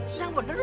eh siang bener lo